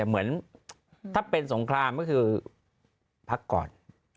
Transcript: เหมือนถ้าเป็นสงครามก็คือพักก่อน